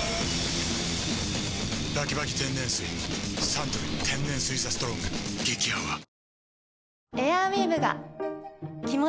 サントリー天然水「ＴＨＥＳＴＲＯＮＧ」激泡届け。